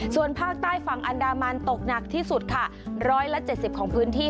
ส่วนภาคใต้ฝั่งอันดามันตกหนักที่สุดค่ะ๑๗๐ของพื้นที่